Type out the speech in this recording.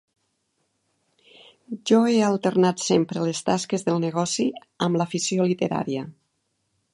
Jo he alternat sempre les tasques del negoci amb l'afició literària.